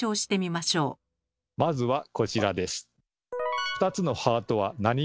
まずはこちらです。